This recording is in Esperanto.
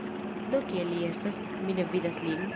Do kie li estas? Mi ne vidas lin?